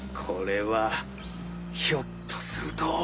これはひょっとすると？